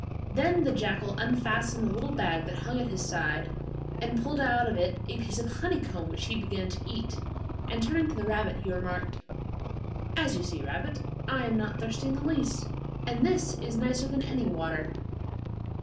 Then the jackal unfastened the little bag that hung at his side, and pulled out of it a piece of honeycomb which he began to eat, and turning to the rabbit he remarked: 'As you see, rabbit, I am not thirsty in the least, and this is nicer than any water.